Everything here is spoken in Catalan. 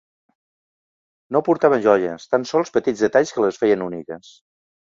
No portaven joies, tan sols petits detalls que les feien úniques.